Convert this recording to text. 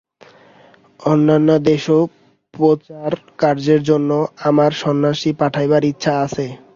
অন্যান্য দেশেও প্রচারকার্যের জন্য আমার সন্ন্যাসী পাঠাইবার ইচ্ছা আছে।